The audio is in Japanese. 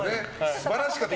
素晴らしかった。